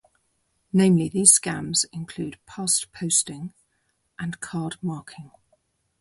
Namely, these scams include pastposting and card marking.